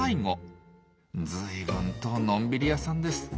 ずいぶんとのんびり屋さんです。